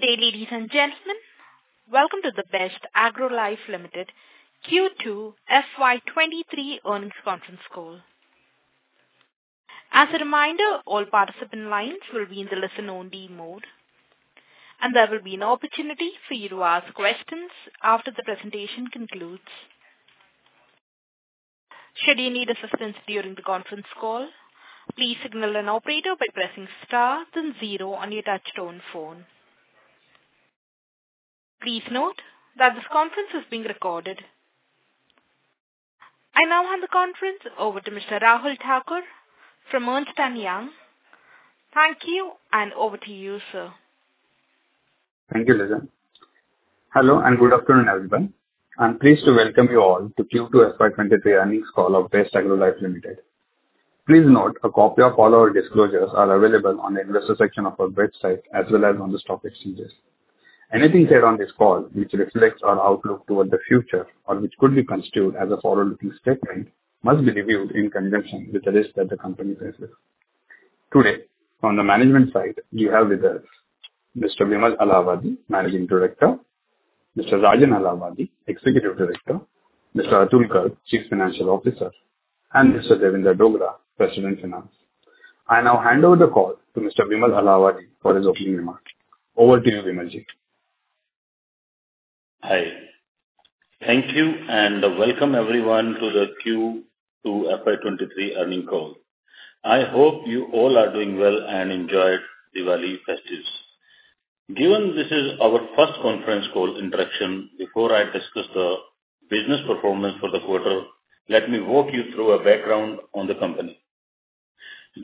Good day, ladies and gentlemen. Welcome to the Best Agrolife Limited Q2 FY 2023 earnings conference call. As a reminder, all participant lines will be in the listen only mode, and there will be an opportunity for you to ask questions after the presentation concludes. Should you need assistance during the conference call, please signal an operator by pressing star then zero on your touch tone phone. Please note that this conference is being recorded. I now hand the conference over to Mr. Rahul Thakur from Ernst & Young. Thank you, and over to you, sir. Thank you, Lisa. Hello, and good afternoon, everyone. I'm pleased to welcome you all to Q2 FY 2023 earnings call of Best Agrolife Limited. Please note a copy of all our disclosures are available on the investor section of our website as well as on the stock exchanges. Anything said on this call which reflects our outlook toward the future or which could be construed as a forward-looking statement must be reviewed in conjunction with the risks that the company has listed. Today, on the management side, we have with us Mr. Vimal Alawadhi, Managing Director, Mr. Raajan Ailawadhi, Executive Director, Mr. Atul Garg, Chief Financial Officer, and Mr. Davinder Dogra, President Finance. I now hand over the call to Mr. Vimal Alawadhi for his opening remarks. Over to you, Vimal Ji. Hi. Thank you and welcome everyone to the Q2 FY 2023 earnings call. I hope you all are doing well and enjoyed Diwali festivities. Given this is our first conference call interaction, before I discuss the business performance for the quarter, let me walk you through a background on the company.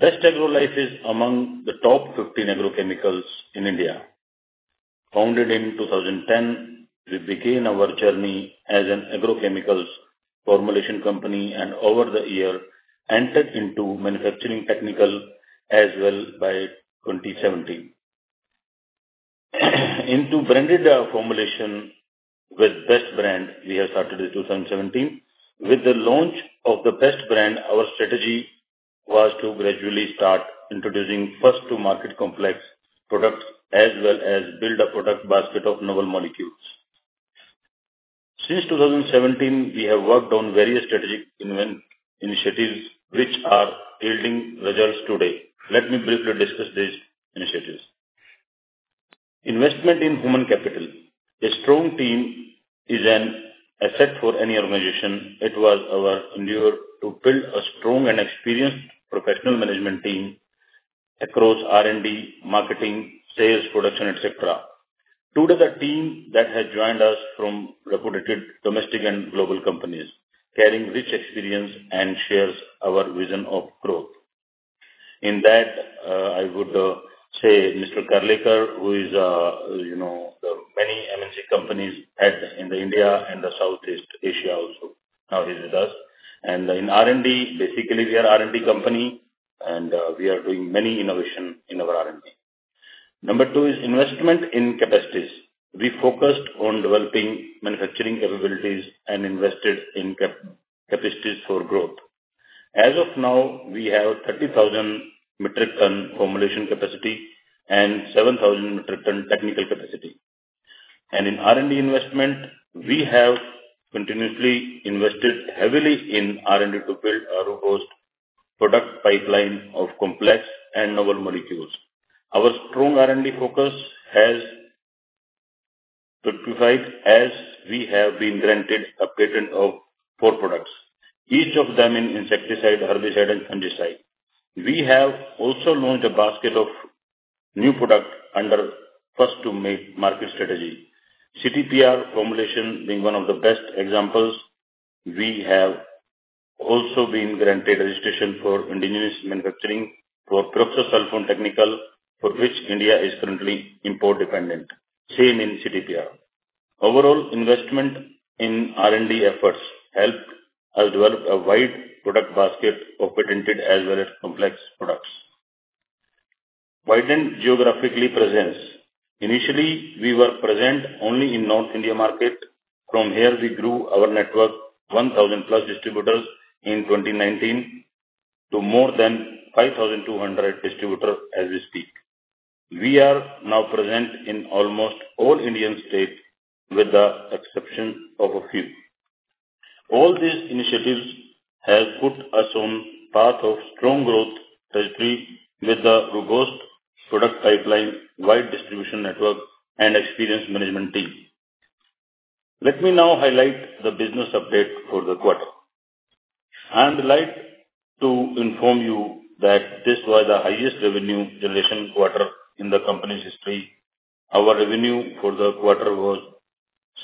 Best Agrolife is among the top 15 agrochemical companies in India. Founded in 2010, we began our journey as an agrochemicals formulation company and over the years entered into manufacturing of technicals as well by 2017. In branded formulation with Best brand, we have started in 2017. With the launch of the Best brand, our strategy was to gradually start introducing first-to-market complex products as well as build a product basket of novel molecules. Since 2017, we have worked on various strategic initiatives which are yielding results today. Let me briefly discuss these initiatives. Investment in human capital. A strong team is an asset for any organization. It was our endeavor to build a strong and experienced professional management team across R&D, marketing, sales, production, et cetera. To the team that has joined us from reputed domestic and global companies, carrying rich experience and shares our vision of growth. In that, I would say Mr. Karlekar, who is the head of many MNC companies in India and Southeast Asia also, now he's with us. In R&D, basically we are R&D company and we are doing many innovation in our R&D. Number two is investment in capacities. We focused on developing manufacturing capabilities and invested in capacities for growth. As of now, we have 30,000 metric ton formulation capacity and 7,000 metric ton technical capacity. In R&D investment, we have continuously invested heavily in R&D to build a robust product pipeline of complex and novel molecules. Our strong R&D focus has fortified as we have been granted a patent of four products, each of them in insecticide, herbicide, and fungicide. We have also launched a basket of new product under first-to-market strategy. CTPR formulation being one of the best examples. We have also been granted registration for indigenous manufacturing for Pyroxasulfone Technical, for which India is currently import-dependent, same in CTPR. Overall, investment in R&D efforts help us develop a wide product basket of patented as well as complex products. Widened geographical presence. Initially, we were present only in North India market. From here, we grew our network 1,000+ distributors in 2019 to more than 5,200 distributors as we speak. We are now present in almost all Indian states with the exception of a few. All these initiatives have put us on path of strong growth trajectory with a robust product pipeline, wide distribution network and experienced management team. Let me now highlight the business update for the quarter. I would like to inform you that this was the highest revenue generation quarter in the company's history. Our revenue for the quarter was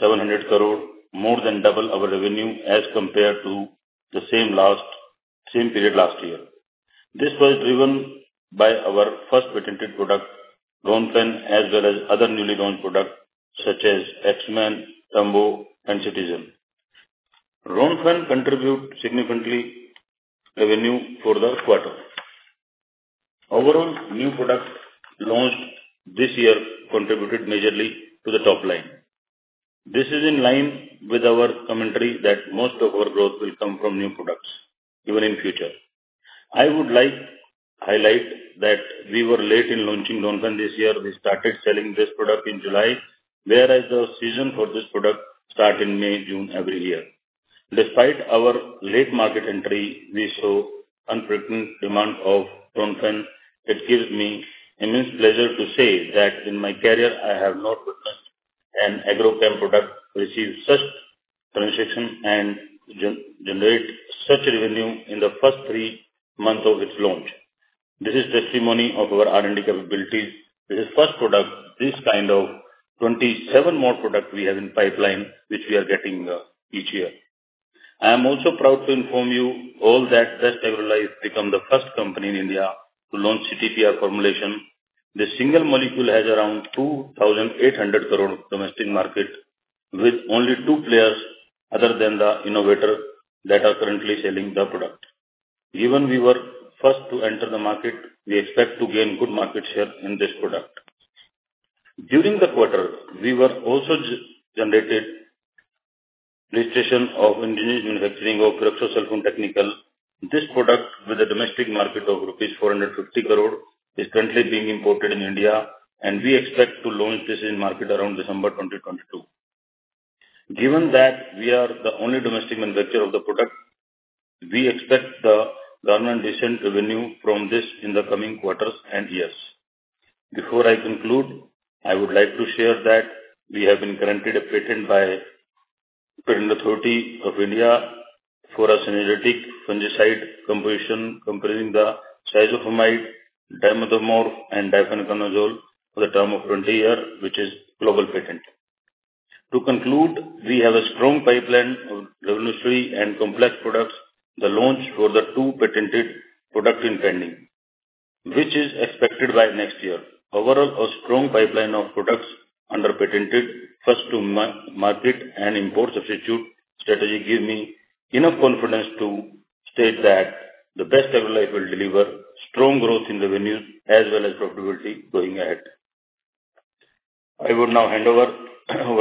700 crore, more than double our revenue as compared to the same period last year. This was driven by our first patented product, Ronfen, as well as other newly launched products such as Axeman, Tombo, and Citigen. Ronfen contribute significantly revenue for the quarter. Overall, new products launched this year contributed majorly to the top line. This is in line with our commentary that most of our growth will come from new products even in future. I would like highlight that we were late in launching Ronfen this year. We started selling this product in July, whereas the season for this product start in May, June every year. Despite our late market entry, we saw unprecedented demand of Ronfen. It gives me immense pleasure to say that in my career I have not witnessed an agrochem product receive such penetration and generate such revenue in the first three months of its launch. This is testimony of our R&D capabilities. This is first product. This kind of 27 more product we have in pipeline, which we are getting each year. I am also proud to inform you all that Best Agrolife became the first company in India to launch CTPR formulation. The single molecule has around 2,800 crore domestic market with only two players other than the innovator that are currently selling the product. Even though we were first to enter the market, we expect to gain good market share in this product. During the quarter, we also generated registration of indigenous manufacturing of Pyroxasulfone Technical. This product, with a domestic market of 450 crore rupees, is currently being imported in India, and we expect to launch this in the market around December 2022. Given that we are the only domestic manufacturer of the product, we expect to generate decent revenue from this in the coming quarters and years. Before I conclude, I would like to share that we have been granted a patent by Patent Office of India for a synergistic fungicide composition comprising cyazofamid, dimethomorph, and difenoconazole for the term of 20 years, which is global patent. To conclude, we have a strong pipeline of revolutionary and complex products. The launch for the two patented product is pending, which is expected by next year. Overall, a strong pipeline of products under patented first-to-market and import substitute strategy give me enough confidence to state that the Best Agrolife will deliver strong growth in revenues as well as profitability going ahead. I would now hand over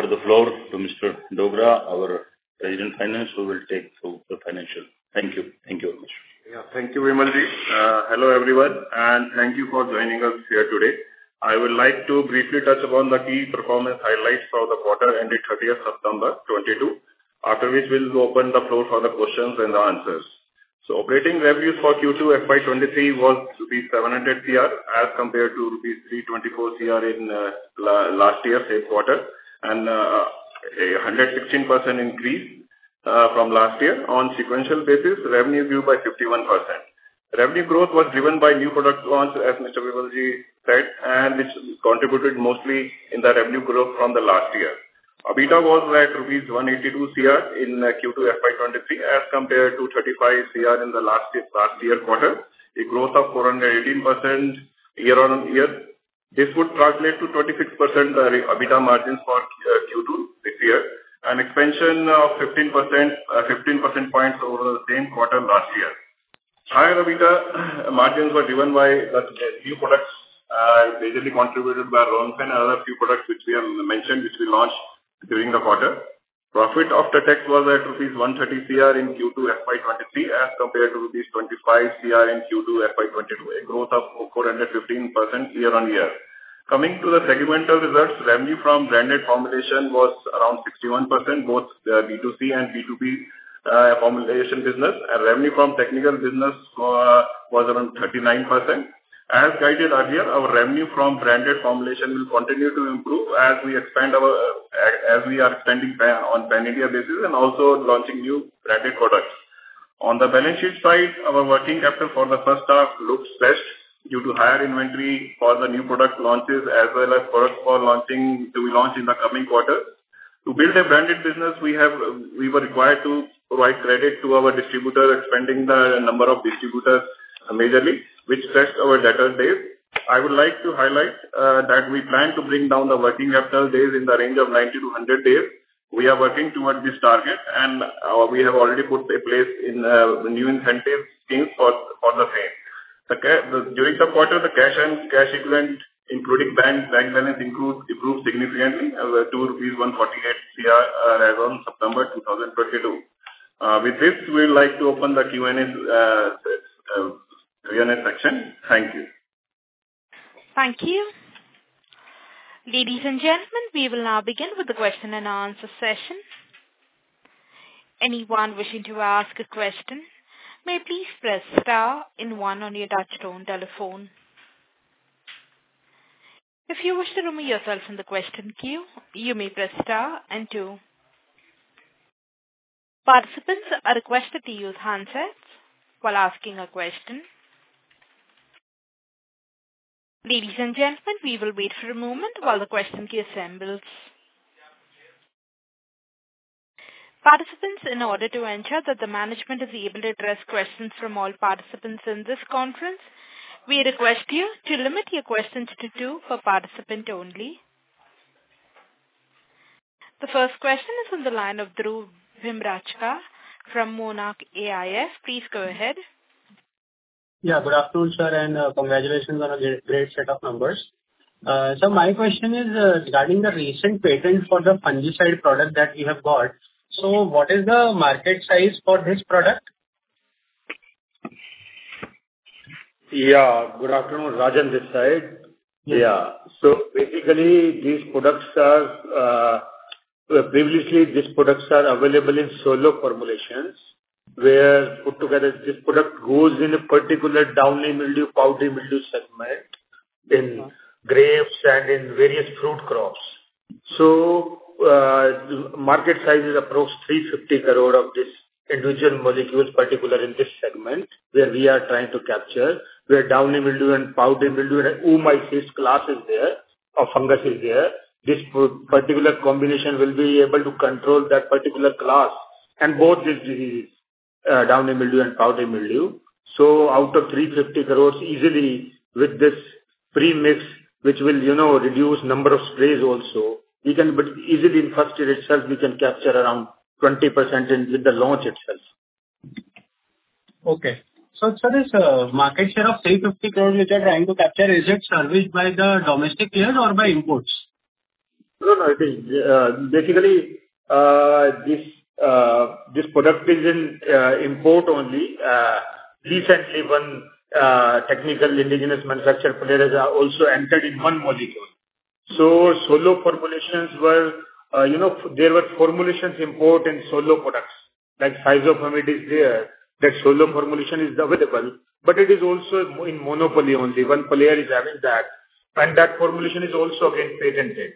the floor to Mr. Dogra, our President Finance, who will take through the financial. Thank you. Thank you very much. Thank you, Vimal Alawadhi. Hello everyone, and thank you for joining us here today. I would like to briefly touch upon the key performance highlights for the quarter ended 30th September, 2022, after which we'll open the floor for the questions and the answers. Operating revenues for Q2 FY 2023 was INR 700 crore as compared to INR 324 crore in last year same quarter and a 116% increase from last year. On sequential basis, revenue grew by 51%. Revenue growth was driven by new product launch, as Mr. Vimal Alawadhi said, and which contributed mostly in the revenue growth from the last year. EBITDA was at 182 crore rupees in Q2 FY 2023 as compared to 35 crore in the last year quarter, a growth of 418% year on year. This would translate to 26% EBITDA margins for Q2 this year, an expansion of 15 percentage points over the same quarter last year. Higher EBITDA margins were driven by the new products, majorly contributed by Ronfen and other few products which we have mentioned, which we launched during the quarter. Profit after tax was at rupees 130 crore in Q2 FY 2023 as compared to rupees 25 crore in Q2 FY 2022, a growth of 415% year-on-year. Coming to the segmental results, revenue from branded formulation was around 61%, both the B2C and B2B formulation business. Revenue from technical business was around 39%. As guided earlier, our revenue from branded formulation will continue to improve as we expand our. As we are expanding B2B and B2C area basis and also launching new branded products. On the balance sheet side, our working capital for the first half looks stretched due to higher inventory for the new product launches as well as products for launching, to be launched in the coming quarter. To build a branded business, we were required to provide credit to our distributors, expanding the number of distributors majorly, which stretched our debtor days. I would like to highlight that we plan to bring down the working capital days in the range of 90-100 days. We are working towards this target, and we have already put in place new incentive schemes for the same. During the quarter, the cash and cash equivalent, including banks, bank balance improved significantly to rupees 148 crore as on September 2022. With this, we'd like to open the Q&A section. Thank you. Thank you. Ladies and gentlemen, we will now begin with the question and answer session. Anyone wishing to ask a question may please press star and one on your touchtone telephone. If you wish to remove yourself from the question queue, you may press star and two. Participants are requested to use handsets while asking a question. Ladies and gentlemen, we will wait for a moment while the question queue assembles. Participants, in order to ensure that the management is able to address questions from all participants in this conference, we request you to limit your questions to two per participant only. The first question is on the line of Dhruv Hemrajka from Monarch AIF. Please go ahead. Yeah. Good afternoon, sir, and congratulations on a great set of numbers. My question is regarding the recent patent for the fungicide product that you have got. What is the market size for this product? Yeah. Good afternoon. Raj on this side. Yeah. Yeah. Basically, previously these products are available in solo formulations, whereas put together this product goes in a particular downy mildew, powdery mildew segment. Uh-huh. In grapes and in various fruit crops. The market size is approximately 350 crore of this individual molecules, particular in this segment where we are trying to capture, where downy mildew and powdery mildew and oomycetes class is there or fungus is there. This particular combination will be able to control that particular class and both these diseases, downy mildew and powdery mildew. Out of 350 crore, easily with this premix, which will, you know, reduce number of sprays also, we can but easily in first year itself we can capture around 20% in, with the launch itself. Okay. Sir, this market share of 350 crore which you're trying to capture, is it serviced by the domestic players or by imports? No, no. It is basically this product is in import only. Recently one technical indigenous manufacturer players have also entered in one molecule. Solo formulations were, you know, there were formulations imported in solo products, like azoxystrobin is there, that solo formulation is available, but it is also in monopoly only. One player is having that, and that formulation is also again patented.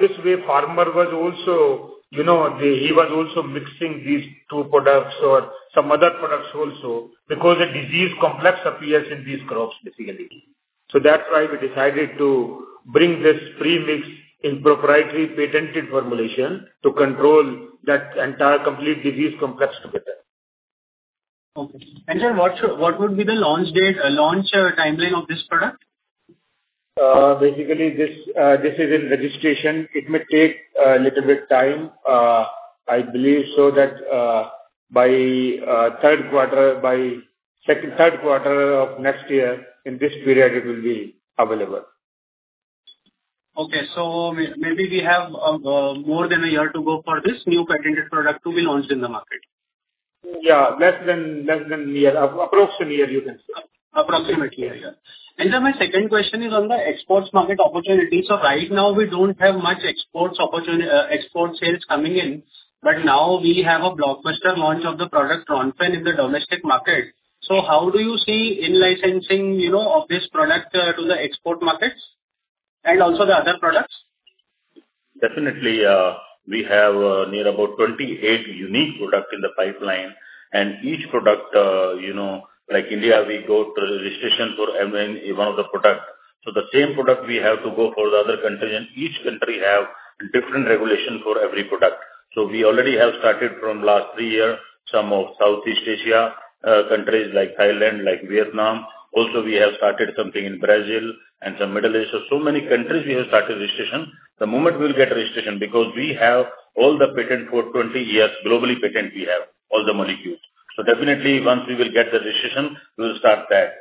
This way farmer was also, you know, he was also mixing these two products or some other products also because the disease complex appears in these crops basically. That's why we decided to bring this premix in proprietary patented formulation to control that entire complete disease complex together. Okay. Sir, what would be the launch date, launch timeline of this product? Basically, this is in registration. It may take little bit time. I believe so that by second, third quarter of next year, in this period it will be available. Maybe we have more than a year to go for this new patented product to be launched in the market. Yeah. Less than a year. Approximately a year you can say. Approximately a year. Sir, my second question is on the export market opportunities. Right now we don't have much export opportunity, export sales coming in, but now we have a blockbuster launch of the product Ronfen in the domestic market. How do you see in-licensing, you know, of this product, to the export markets and also the other products? Definitely, we have near about 28 unique products in the pipeline. Each product, you know, like India, we go through registration for every one of the products. The same product we have to go for the other country and each country have different regulation for every product. We already have started from last 3 years, some of Southeast Asia countries like Thailand, like Vietnam. Also we have started something in Brazil and some Middle East. Many countries we have started registration. The moment we'll get registration, because we have all the patents for 20 years, globally patents we have all the molecules. Definitely once we will get the registration, we'll start that.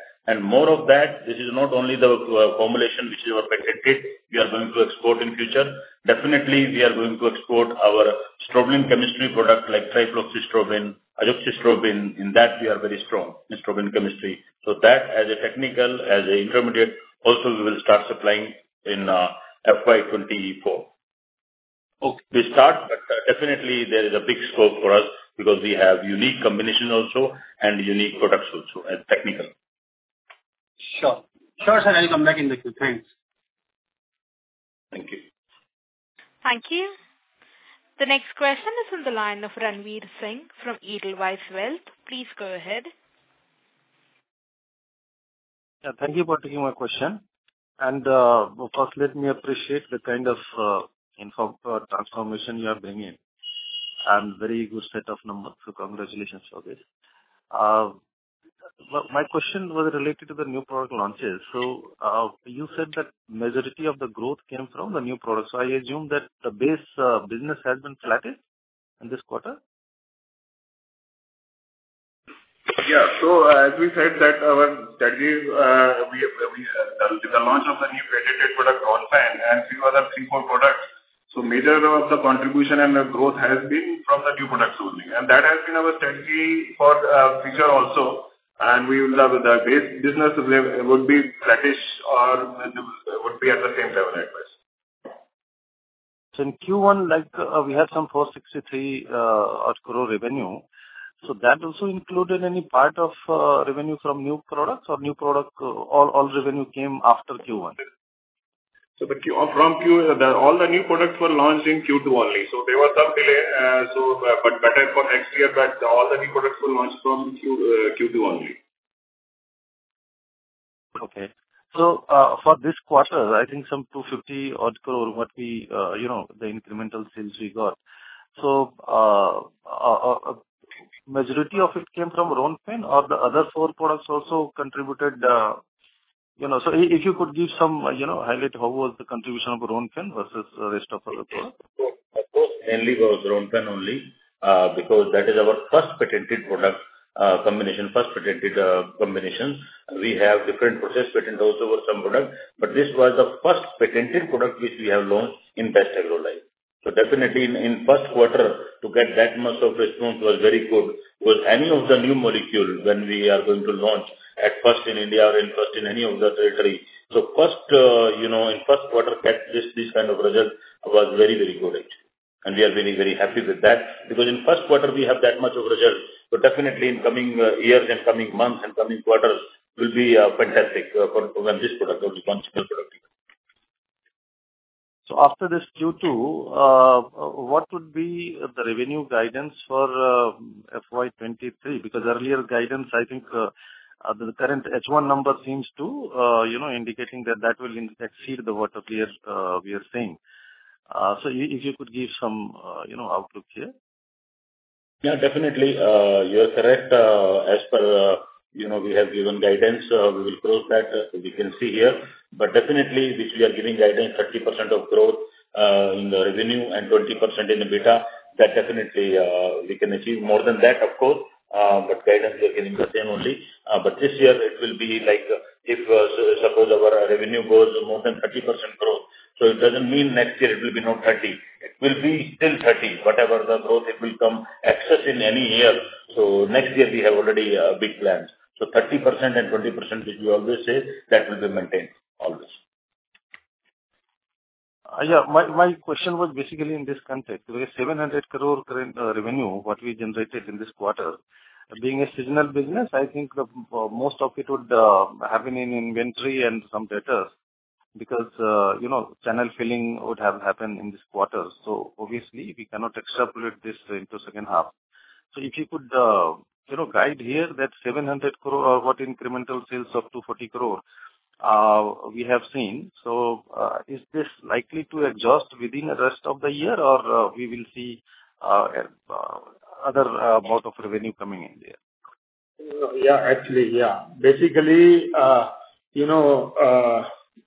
More of that, this is not only the formulation which is our patented we are going to export in future. Definitely we are going to export our strobilurin chemistry product like cyproconazole, azoxystrobin. In that we are very strong in strobilurin chemistry. That as a technical, as an intermediate also we will start supplying in FY 2024. Okay. Definitely there is a big scope for us because we have unique combination also and unique products also and technical. Sure, sir. I'll come back in the queue. Thanks. Thank you. Thank you. The next question is on the line of Ranvir Singh from Edelweiss Wealth. Please go ahead. Yeah. Thank you for taking my question. First, let me appreciate the kind of in form transformation you are bringing and very good set of numbers, so congratulations for this. My question was related to the new product launches. You said that majority of the growth came from the new products. I assume that the base business has been flattish in this quarter. As we said, the launch of the new patented product Ronfen and few other three, four products, so majority of the contribution and the growth has been from the new products only. That has been our strategy for future also. The base business will be flattish or would be at the same level at best. In Q1, we had some 463-odd crore revenue. That also included any part of revenue from new products or new product all revenue came after Q1? All the new products were launched in Q2 only. There was some delay, but better for next year that all the new products were launched from Q2 only. Okay. For this quarter, I think some 250-odd crore what we, you know, the incremental sales we got. Majority of it came from Ronfen or the other four products also contributed. You know, if you could give some, you know, highlight how was the contribution of Ronfen versus the rest of the product. Of course mainly was Ronfen only, because that is our first patented combination. We have different process patent also for some product, but this was the first patented product which we have launched in Best Agrolife Limited. Definitely in first quarter to get that much of response was very good. With any of the new molecule when we are going to launch at first in India or first in any of the territory. First in first quarter get this kind of result was very, very good, and we are very, very happy with that. Because in first quarter we have that much of result, definitely in coming years and coming months and coming quarters will be fantastic for when this product will be launched fully. After this Q2, what would be the revenue guidance for FY 2023? Because earlier guidance, I think, the current H1 number seems to you know indicate that will exceed what we are seeing. If you could give some you know outlook here. Yeah, definitely. You are correct. As per, you know, we have given guidance, we will close that so we can see here. Definitely which we are giving guidance 30% of growth in the revenue and 20% in EBITDA, that definitely, we can achieve more than that of course. Guidance we are giving the same only. This year it will be like if suppose our revenue grows more than 30% growth, so it doesn't mean next year it will be now 30%. It will be still 30%. Whatever the growth it will come excess in any year. Next year we have already big plans. 30% and 20% which we always say, that will be maintained always. Yeah. My question was basically in this context, with 700 crore current revenue what we generated in this quarter, being a seasonal business, I think the most of it would have been in inventory and some debtors because, you know, channel filling would have happened in this quarter. Obviously we cannot extrapolate this into second half. If you could, you know, guide here that 700 crore, what incremental sales of 240 crore we have seen. Is this likely to adjust within the rest of the year or we will see other mode of revenue coming in there? Yeah. Actually, yeah. Basically,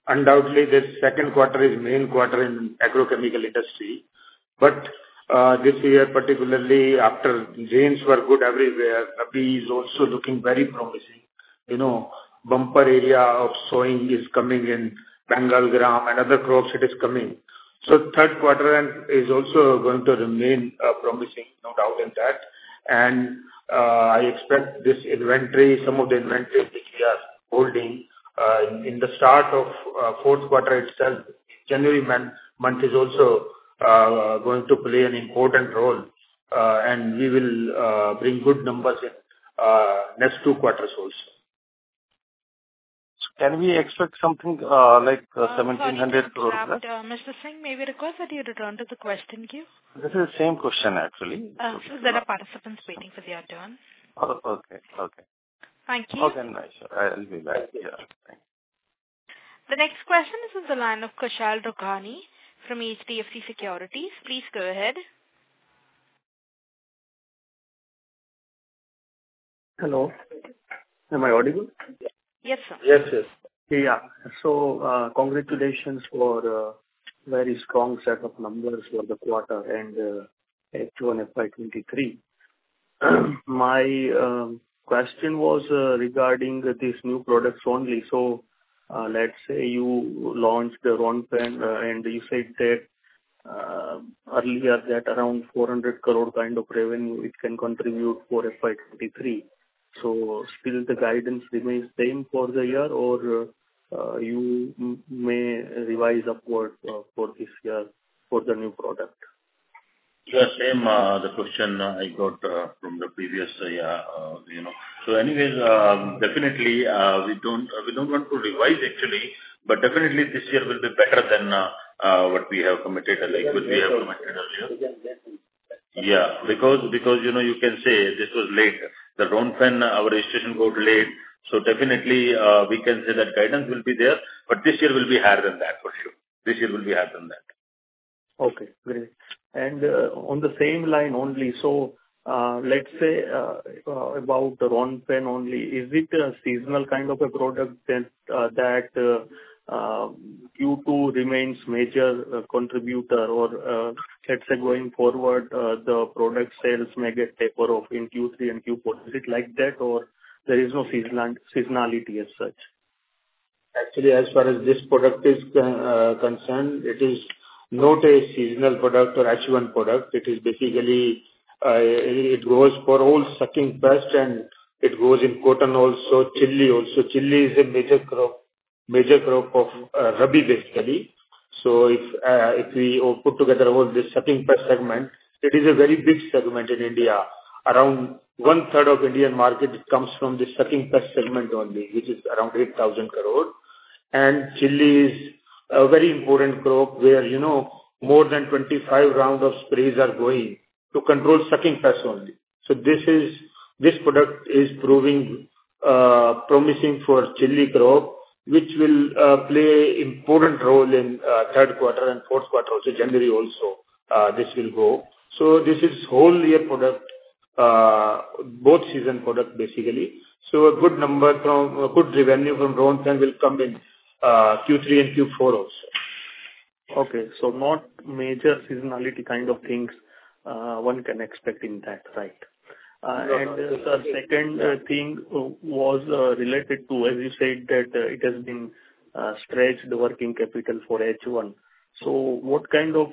undoubtedly this second quarter is main quarter in agrochemical industry. This year particularly after rains were good everywhere, rabi is also looking very promising. You know, bumper area of sowing is coming in bengal gram and other crops it is coming. Third quarter then is also going to remain promising, no doubt in that. I expect this inventory, some of the inventory which we are holding in the start of fourth quarter itself, January month is also going to play an important role, and we will bring good numbers in next two quarters also. Can we expect something like 1,700 crore? Sorry to interrupt. Mr. Singh, may we request that you return to the question queue? This is the same question actually. Sir, there are participants waiting for their turn. Oh, okay. Okay. Thank you. Okay. Nice. I'll be back. Yeah. Thank you. The next question is on the line of Kushal Narnolia from HDFC Securities. Please go ahead. Hello. Am I audible? Yes, sir. Yes, yes. Yeah. Congratulations for very strong set of numbers for the quarter and H1 FY 2023. My question was regarding these new products only. Let's say you launched the Ronfen and you said that earlier that around 400 crore kind of revenue it can contribute for FY 2023. Still the guidance remains same for the year or you may revise upward for this year for the new product? Yeah, same, the question I got from the previous, you know. Anyways, definitely, we don't want to revise actually. Definitely this year will be better than what we have committed or like what we have committed earlier. Yeah. Because you know, you can say this was late. The Ronfen, our registration got late. Definitely, we can say that guidance will be there, but this year will be higher than that for sure. This year will be higher than that. Okay, great. On the same line only, so, let's say, about the Ronfen only, is it a seasonal kind of a product that Q2 remains major contributor or, let's say going forward, the product sales may get taper off in Q3 and Q4? Is it like that or there is no seasonality as such? Actually, as far as this product is concerned, it is not a seasonal product or achievement product. It is basically it goes for all sucking pest and it goes in cotton also, chili also. Chili is a major crop of rabi basically. If we put together all this sucking pest segment, it is a very big segment in India. Around 1/3 of Indian market comes from the sucking pest segment only, which is around 8,000 crore. Chili is a very important crop where, you know, more than 25 rounds of sprays are going to control sucking pest only. This product is proving promising for chili crop, which will play important role in third quarter and fourth quarter. January also, this will go. This is whole year product. Both season products basically. A good revenue from Ronfen will come in Q3 and Q4 also. Okay. Not major seasonality kind of things, one can expect in that, right? No. Sir, second thing was related to, as you said, that it has been stretched, the working capital for H1. What kind of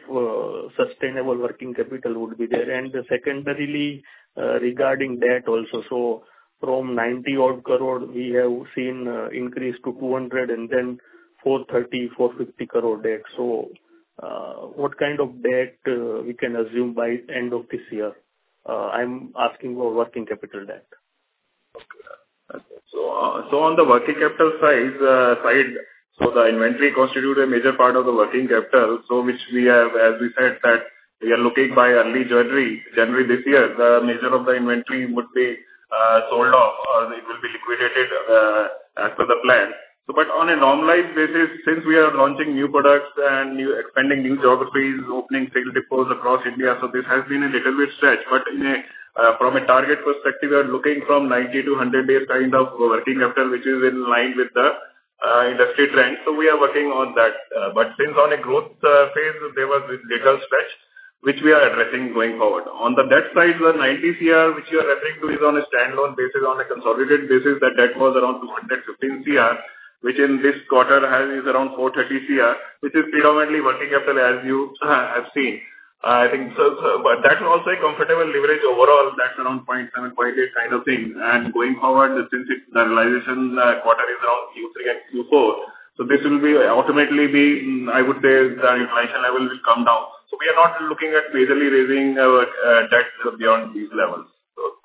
sustainable working capital would be there? Secondarily, regarding debt also. From 90-odd crore, we have seen an increase to 200 and then 430, 450 crore debt. What kind of debt we can assume by end of this year? I'm asking for working capital debt. On the working capital size side, the inventory constitute a major part of the working capital, which we have, as we said, that we are looking by early January this year, the major of the inventory would be sold off or it will be liquidated as per the plan. On a normalized basis, since we are launching new products and new expanding new geographies, opening sales depots across India, this has been a little bit stretched. From a target perspective, we are looking from 90-100 days kind of working capital, which is in line with the industry trend. We are working on that. Since on a growth phase, there was this little stretch which we are addressing going forward. On the debt side, the 90 crore which you are referring to is on a standalone basis. On a consolidated basis, the debt was around 215 crore, which in this quarter is around 430 crore, which is predominantly working capital as you have seen. I think so. That's also a comfortable leverage overall. That's around 0.7, 0.8 kind of thing. Going forward, since it's the realization quarter is now Q3 and Q4, this will ultimately be, I would say, the inflation level will come down. We are not looking at majorly raising our debt beyond these levels.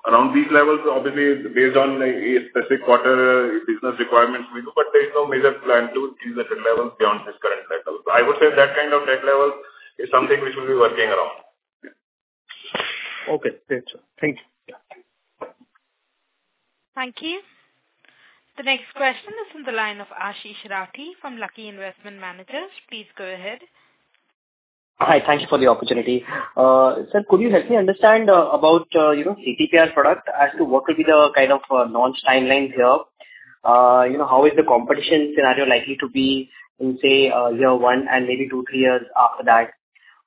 Around these levels, obviously based on a specific quarter business requirements we do, but there is no major plan to increase the debt levels beyond this current level. I would say that kind of debt level is something we should be working around. Okay. Great, sir. Thank you. Yeah. Thank you. The next question is from the line of Ashish Rathi from Lucky Investment Managers. Please go ahead. Hi. Thank you for the opportunity. Sir, could you help me understand about, you know, CTPR product as to what will be the kind of launch timelines here? You know, how is the competition scenario likely to be in, say, year 1 and maybe 2, 3 years after that?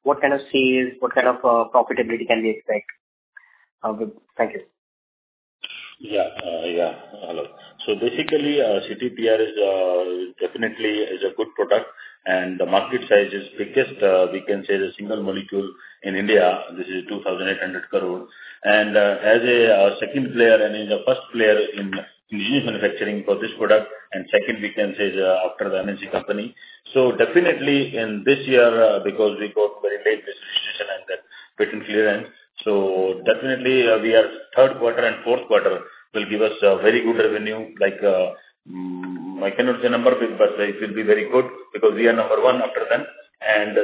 What kind of sales, what kind of profitability can we expect? Thank you. Hello. Basically, CTPR is definitely a good product and the market size is biggest, we can say the single molecule in India, this is 2,800 crore. As a second player and is a first player in manufacturing for this product, and second we can say is after the MNC company. Definitely in this year, because we got very late registration and then patent clearance. Definitely, we are third quarter and fourth quarter will give us a very good revenue. Like, I cannot say number, but it will be very good because we are number one after them.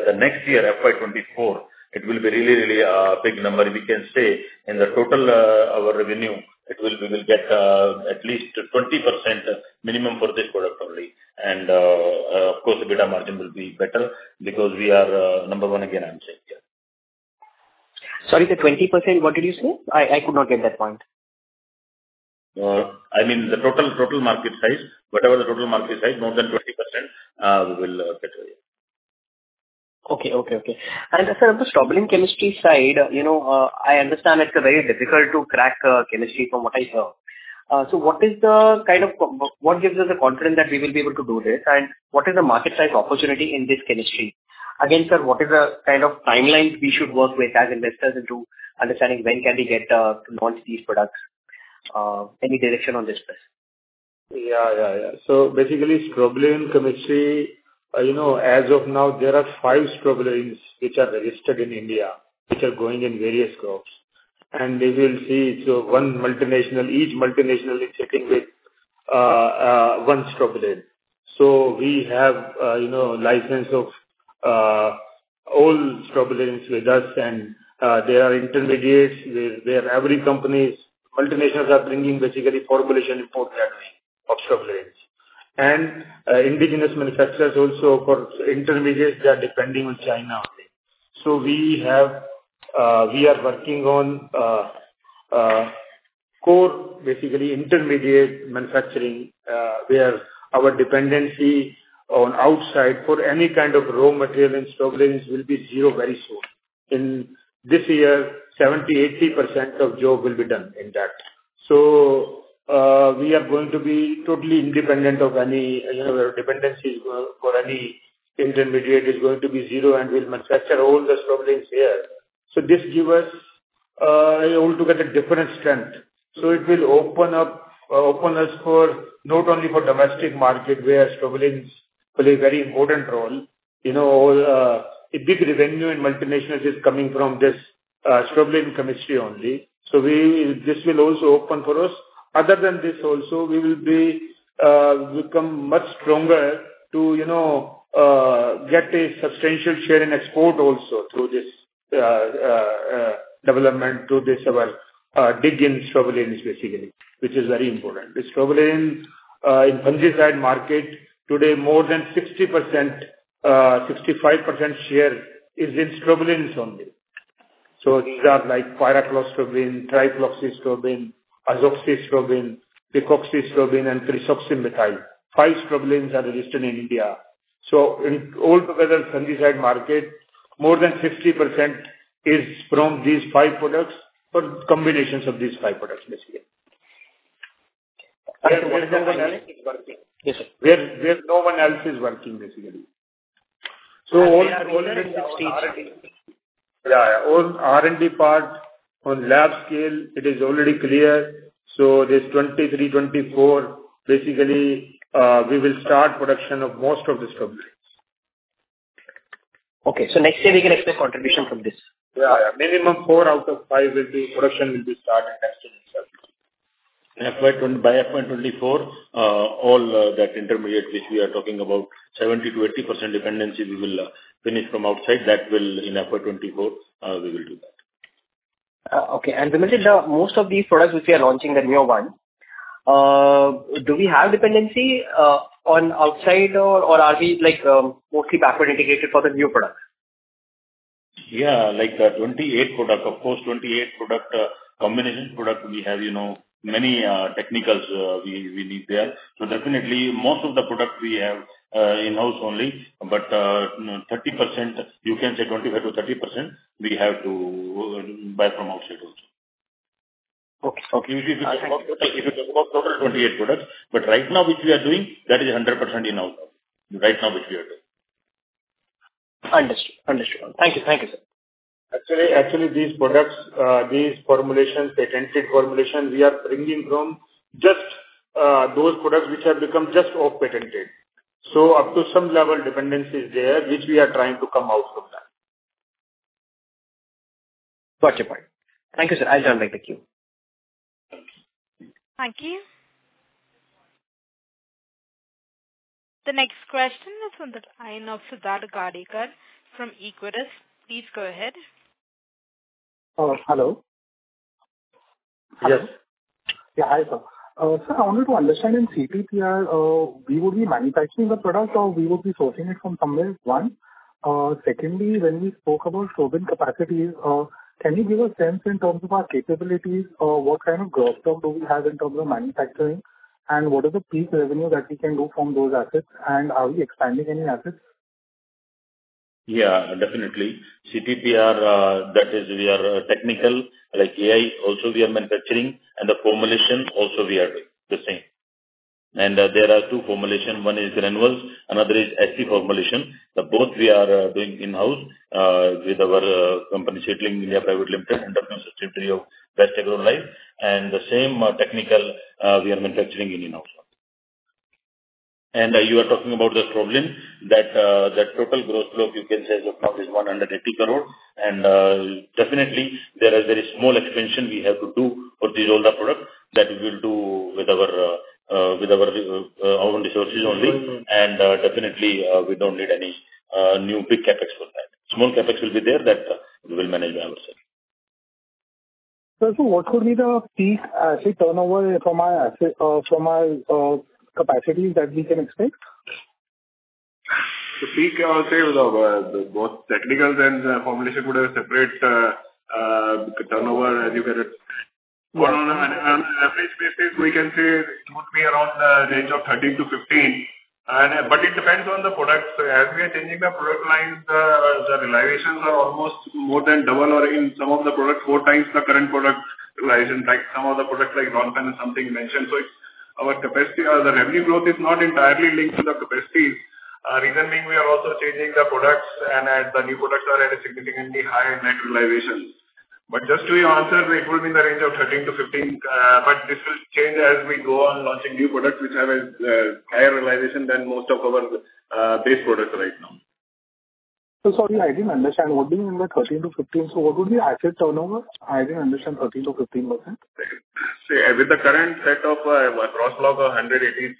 The next year, FY 2024, it will be really, really a big number. We can say in total, our revenue, we will get at least 20% minimum for this product only. Of course the EBITDA margin will be better because we are number one again, I'm saying here. Sorry, sir, 20%, what did you say? I could not get that point. I mean the total market size, whatever the total market size, more than 20%, we will get here. Okay. Sir, on the strobilurin chemistry side, you know, I understand it's very difficult to crack chemistry from what I heard. What gives us the confidence that we will be able to do this? And what is the market size opportunity in this chemistry? Again, sir, what is the kind of timelines we should work with as investors into understanding when can we get to launch these products? Any direction on this, please. Basically strobilurin chemistry, you know, as of now there are five strobilurins which are registered in India, which are going in various crops. We will see, one multinational, each multinational is sitting with one strobilurin. We have, you know, license of all strobilurins with us and there are intermediates. There are every companies, multinationals are bringing basically formulation for that of strobilurins. Indigenous manufacturers also for intermediates, they are depending on China only. We are working on core basically intermediate manufacturing, where our dependency on outside for any kind of raw material in strobilurins will be zero very soon. In this year, 70%-80% of job will be done in that. We are going to be totally independent of any, you know, dependencies for any intermediate is going to be zero and we'll manufacture all the strobilurins here. This give us altogether different strength. It will open up open us for not only for domestic market where strobilurins play a very important role. You know, a big revenue in multinational is coming from this, strobilurin chemistry only. This will also open for us. Other than this also we will become much stronger to, you know, get a substantial share in export also through this, development to this, big in strobilurins basically, which is very important. The strobilurins in fungicide market today more than 60%, 65% share is in strobilurins only. These are like pyraclostrobin, trifloxystrobin, azoxystrobin, picoxystrobin, and kresoxim-methyl. Five strobilurins are registered in India. Altogether, fungicide market, more than 50% is from these five products or combinations of these five products, basically. Where no one else is working, basically. Yeah. On R&D part, on lab scale, it is already clear. This 2023, 2024, basically, we will start production of most of the strobilurins. Okay. Next year we can expect contribution from this. Yeah, yeah. Minimum 4/5 production will be started next year itself. FY 2023 by FY 2024, all that intermediate which we are talking about, 70%-80% dependency we will finish from outside. That will in FY 2024, we will do that. Vimal Alawadhi, most of these products which we are launching are new one. Do we have dependency on outside or are we like mostly backward integrated for the new products? Yeah, like, 28 product. Of course, 28 product, combination product we have, you know, many technicals we need there. Definitely most of the product we have in-house only, but you know, 30%, you can say 25%-30% we have to buy from outside also. Okay. Okay. If you talk about total 28 products, but right now which we are doing, that is 100% in-house only. Right now which we are doing. Understood. Thank you, sir. Actually, these products, these formulations, patented formulations, we are bringing from those products which have become just off-patent. Up to some level dependency is there, which we are trying to come out from that. Got your point. Thank you, sir. I'll join back the queue. Thank you. The next question is on the line of Siddharth Gadekar from Equirus. Please go ahead. Hello. Yes. Yeah, hi, sir. Sir, I wanted to understand in CTPR, we will be manufacturing the product or we will be sourcing it from somewhere, one. Secondly, when we spoke about strobilurin capacities, can you give a sense in terms of our capabilities or what kind of growth term do we have in terms of manufacturing and what are the peak revenue that we can do from those assets and are we expanding any assets? Yeah, definitely. CTPR, that is we are technical, like AI also we are manufacturing and the formulation also we are doing the same. There are two formulation. One is granules, another is active formulation. The both we are doing in-house with our company Sudarshan Farm Chemicals India Private Limited, and that is subsidiary of Best Agrolife. The same technical we are manufacturing in-house. You are talking about the strobilurin, that total gross sales you can say is approximately 180 crore. Definitely there is very small expansion we have to do for these all the product that we will do with our own resources only. Definitely, we don't need any new big CapEx for that. Small CapEx will be there that we will manage by ourselves. What would be the peak asset turnover from our capacities that we can expect? The peak, say with our both technicals and formulation product separate, turnover as you get it. On an average basis, we can say it would be around the range of 13%-15%. But it depends on the products. As we are changing the product lines, the realizations are almost more than double or in some of the products, 4x the current product realization. Like, some of the products like Ronfen is something mentioned. So our capacity or the revenue growth is not entirely linked to the capacity. Reason being, we are also changing the products and as the new products are at a significantly higher net realization. But just to your answer, it will be in the range of 13%-15%. This will change as we go on launching new products which have a higher realization than most of our base products right now. Sorry, I didn't understand. What do you mean by 13%-15%? What would be asset turnover? I didn't understand 13%-15%. With the current set of gross block of 180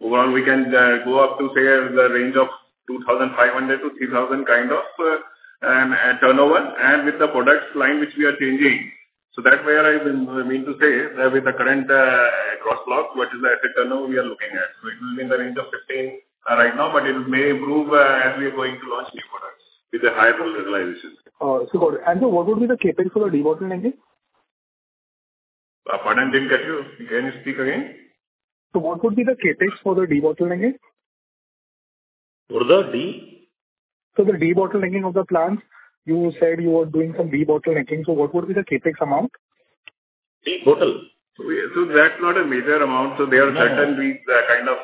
crore, we can go up to the range of 2,500 crore-3,000 crore kind of turnover, and with the product line which we are changing. That's where I mean to say with the current gross block, what is the asset turnover we are looking at. It will be in the range of 15% right now, but it may improve as we are going to launch new products with a higher realization. It's good. What would be the CapEx for the debottlenecking? Pardon, didn't catch you. Can you speak again? What would be the CapEx for the debottlenecking? For the de? For the debottlenecking of the plants. You said you were doing some debottlenecking, so what would be the CapEx amount? Yeah, so that's not a major amount. There are certain things, kind of,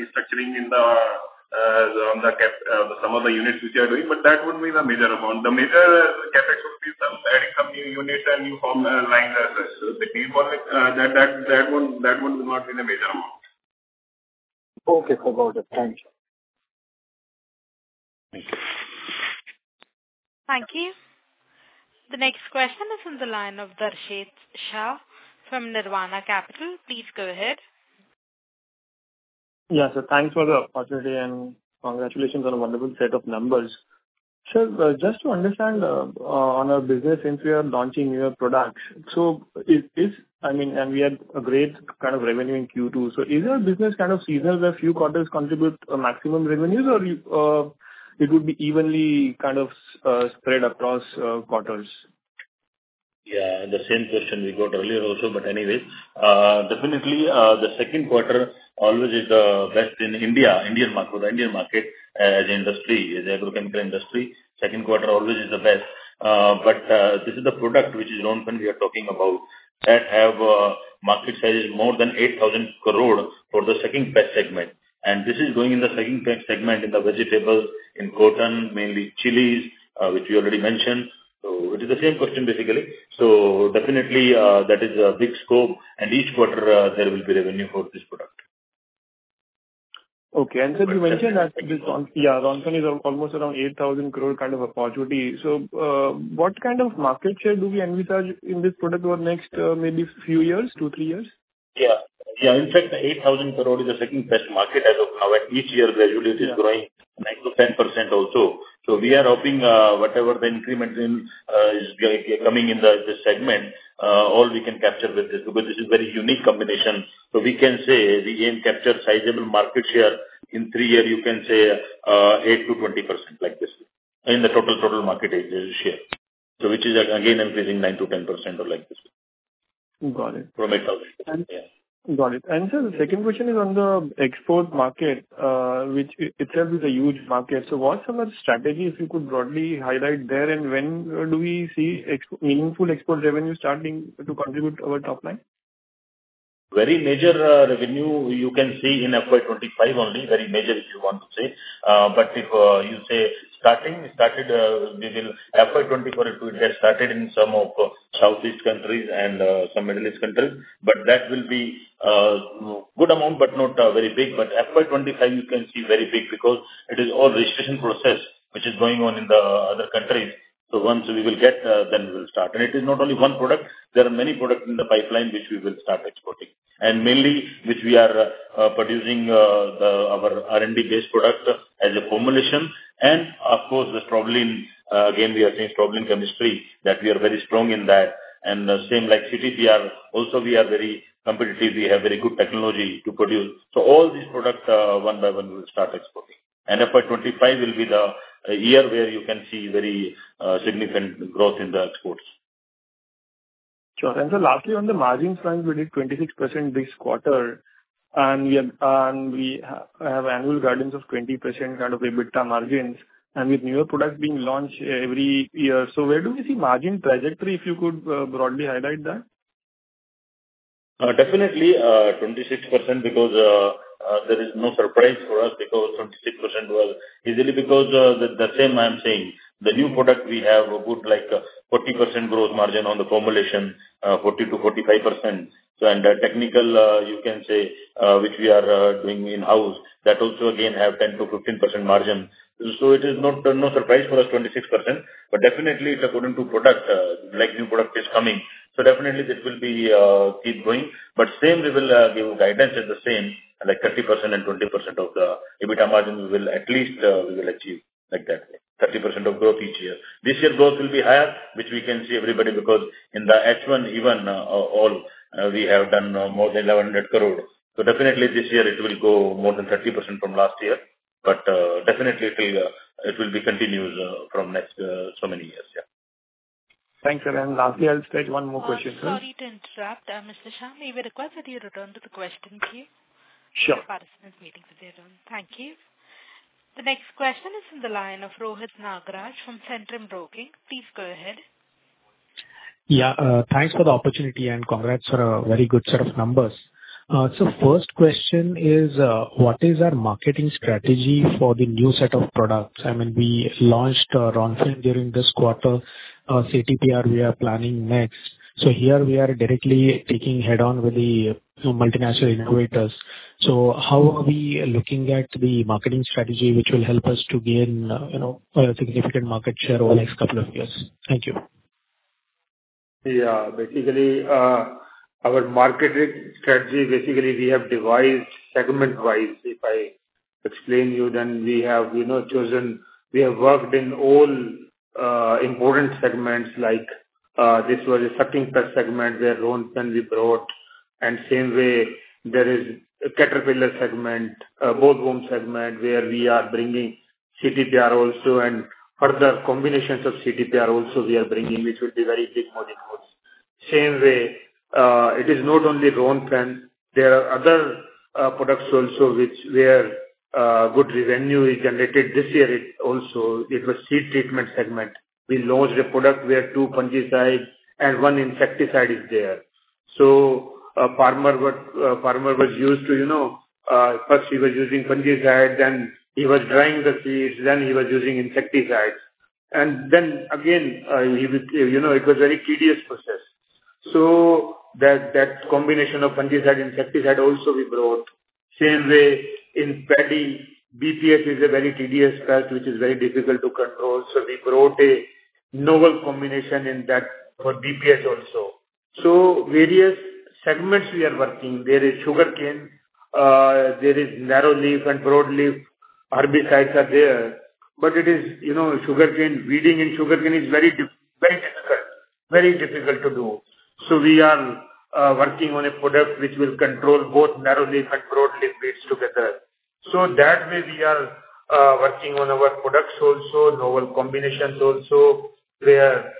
restructuring some of the units which we are doing, but that wouldn't be the major amount. The major CapEx would be adding some new units and new formulation lines as such. The debottleneck that won't be the major amount. Okay. Got it. Thank you. Thank you. Thank you. The next question is on the line of Darshit Shah from Nirvana Capital. Please go ahead. Yeah, thanks for the opportunity and congratulations on a wonderful set of numbers. Sir, just to understand, on our business since we are launching new products. I mean, we had a great kind of revenue in Q2. Is our business kind of seasonal, where few quarters contribute maximum revenues or it would be evenly kind of spread across quarters? Yeah. The same question we got earlier also, but anyways. Definitely, the second quarter always is the best in India, Indian market. Indian market as industry, the agricultural industry, second quarter always is the best. But, this is a product which is known when we are talking about that have a market size more than 8,000 crore for the sucking pest segment. And this is going in the sucking pest segment in the vegetables, in cotton, mainly chilies, which we already mentioned. It is the same question basically. Definitely, that is a big scope, and each quarter, there will be revenue for this product. Okay. You mentioned that this Ronfen is almost around 8,000 crore kind of opportunity. What kind of market share do we envisage in this product over the next maybe few years, 2, 3 years? Yeah. In fact, the 8,000 crore is the sucking pest market as of now. Each year gradually it is growing 9%-10% also. We are hoping whatever the increments in is coming in this segment all we can capture with this because this is very unique combination. We can say we can capture sizable market share. In three years you can say 8%-20% like this in the total market share. Which is again increasing 9%-10% or like this. Got it. From itself. Yeah. Got it. Sir, the second question is on the export market, which itself is a huge market. What are some of the strategies you could broadly highlight there, and when do we see meaningful export revenue starting to contribute to our top-line? Very major revenue you can see in FY 2025 only. Very major if you want to say. If you say starting, FY 2024 it would have started in some of Southeast countries and some Middle East countries. That will be good amount but not very big. FY 2025 you can see very big because it is all registration process which is going on in the other countries. Once we will get, then we'll start. It is not only one product. There are many products in the pipeline which we will start exporting. Mainly which we are producing the our R&D based product as a formulation. Of course the strobilurin, again, we are seeing strobilurin chemistry that we are very strong in that. Same like CTPR, also we are very competitive. We have very good technology to produce. All these products, one by one we will start exporting. FY 2025 will be the year where you can see very significant growth in the exports. Sure. Lastly, on the margins front, we did 26% this quarter and we have annual guidance of 20% kind of EBITDA margins. With newer products being launched every year, where do we see margin trajectory, if you could broadly highlight that? Definitely, 26% because there is no surprise for us because 26% was easily because the same I'm saying. The new product we have a good like 40% gross margin on the formulation, 40%-45%. So under technical, you can say, which we are doing in-house, that also again have 10%-15% margin. So it is not, no surprise for us, 26%. But definitely according to product, like new product is coming. So definitely this will keep growing. But same we will give guidance at the same, like 30% and 20% of the EBITDA margin we will at least, we will achieve like that, 30% of growth each year. This year growth will be higher, which we can see everybody because in the H1 even, all, we have done more than 1,100 crore. Definitely this year it will grow more than 30% from last year. Definitely it will be continued from next so many years. Yeah. Thanks. Lastly, I'll just add one more question. Sorry to interrupt, Mr. Shah. We request that you return to the question queue. Sure. The participants waiting for their turn. Thank you. The next question is from the line of Rohit Nagraj from Centrum Broking. Please go ahead. Yeah. Thanks for the opportunity and congrats for a very good set of numbers. First question is, what is our marketing strategy for the new set of products? I mean, we launched Ronfen during this quarter. CTPR we are planning next. Here we are directly taking head on with the, you know, multinational innovators. How are we looking at the marketing strategy which will help us to gain, you know, a significant market share over the next couple of years? Thank you. Yeah. Basically, our marketing strategy, basically we have devised segment-wise. If I explain you, then we have, you know, chosen, we have worked in all, important segments, like, this was a sucking pest segment where Ronfen we brought. Same way, there is a caterpillar segment, bollworm segment, where we are bringing CTPR also. Further combinations of CTPR also we are bringing, which will be very big volume also. Same way, it is not only Ronfen, there are other, products also which were, good revenue we generated this year it also. It was seed treatment segment. We launched a product where two fungicides and one insecticide is there. A farmer was used to, you know, first he was using fungicide, then he was drying the seeds, then he was using insecticides. Then again, he would, you know, it was very tedious process. That combination of fungicide, insecticide also we brought. Same way in paddy, BPH is a very tedious pest which is very difficult to control. We brought a novel combination in that for BPH also. Various segments we are working. There is sugarcane. There is narrow leaf and broad leaf herbicides are there. It is, you know, sugarcane, weeding in sugarcane is very difficult to do. We are working on a product which will control both narrow leaf and broad leaf weeds together. That way we are working on our products also, novel combinations also, where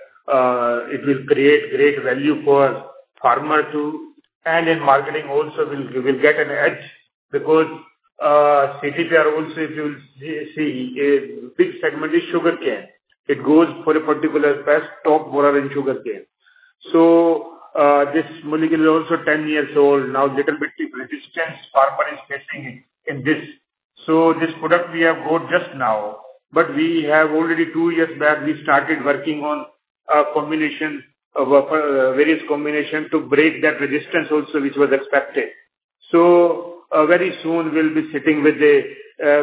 it will create great value for farmer too. In marketing also we will get an edge because CTPR also if you will see, a big segment is sugarcane. It goes for a particular pest, stalk borer in sugarcane. This molecule is also 10 years old. Now little bit resistance farmer is facing in this. This product we have bought just now. But we have already 2 years back, we started working on combinations of various combinations to break that resistance also which was expected. Very soon we'll be sitting with a